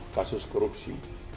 menjadikan kasus korupsi